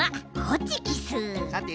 さて？